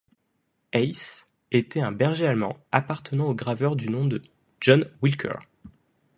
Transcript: Ace était un Berger allemand appartenant au graveur du nom de John Wilker.